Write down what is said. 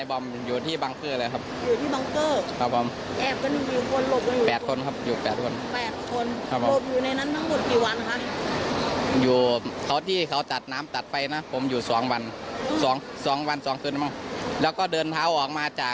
ออกมาตั้งแต่ตีสี่ตีสี่ตีห้าเดินเท้าออกมาปีนก็คอยเดินออกมาครับ